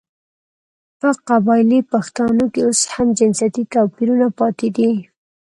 په قبايلي پښتانو کې اوس هم جنسيتي تواپيرونه پاتې دي .